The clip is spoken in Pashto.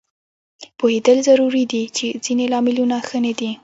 پوهېدل ضروري دي چې ځینې لاملونه ښه نه دي